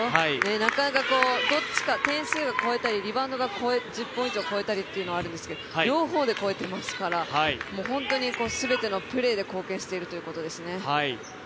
なかなか、点数が超えたりリバウンドが１０本以上超えたりっていうのはあるんですけど両方で超えてますから本当に全てのプレーで貢献しているということですね。